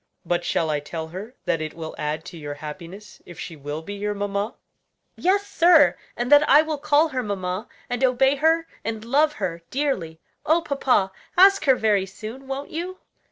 But shall I tell her that it will add to your happiness if she will be your mamma?" "Yes, sir; and that I will call her mamma, and obey her and love her dearly. Oh, papa, ask her very soon, won't you?"